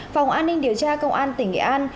phòng an ninh điều tra công an tỉnh nghệ an